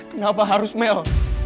kenapa harus mel